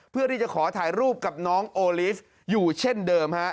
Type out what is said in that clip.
เพื่อที่จะขอถ่ายรูปกับน้องโอลิฟต์อยู่เช่นเดิมฮะ